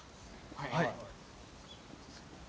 はい。